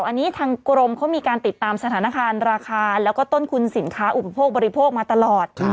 อันนี้ทางกรมเขามีการติดตามสถานการณ์ราคาแล้วก็ต้นทุนสินค้าอุปโภคบริโภคมาตลอด